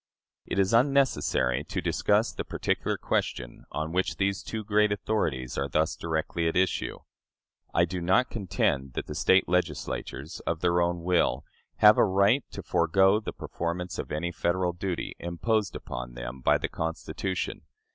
" It is unnecessary to discuss the particular question on which these two great authorities are thus directly at issue. I do not contend that the State Legislatures, of their own will, have a right to forego the performance of any Federal duty imposed upon them by the Constitution.